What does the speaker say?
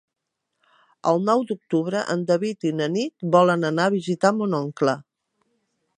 El nou d'octubre en David i na Nit volen anar a visitar mon oncle.